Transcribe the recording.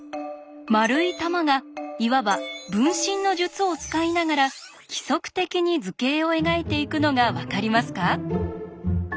丸い玉がいわば「分身の術」を使いながら規則的に図形を描いていくのが分かりますか？